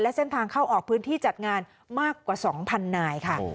เส้นทางเข้าออกพื้นที่จัดงานมากกว่า๒๐๐นายค่ะ